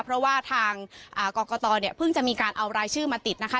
เพราะว่าทางกรกตเนี่ยเพิ่งจะมีการเอารายชื่อมาติดนะคะ